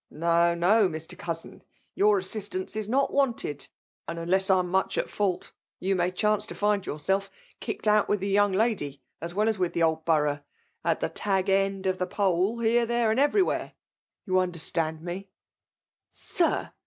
No, no! Mr. Consin! yonr as^ sistanee is not wanted ; and unless Tm much at fault, yon may chance to find yotirseif kicked ont with the yoong lady as wA as wifh the iAd borongh; at the tag end of the pell, here, there, and everywhere ! You under stand me? ^SBr!